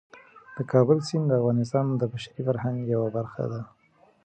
د کابل سیند د افغانستان د بشري فرهنګ یوه برخه ده.